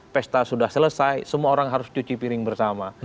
pesta sudah selesai semua orang harus cuci piring bersama